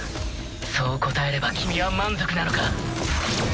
そう答えれば君は満足なのか？